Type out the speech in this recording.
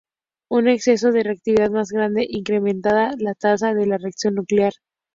Un exceso de reactividad más grande incrementa la tasa de la reacción nuclear.